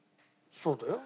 そうだよ。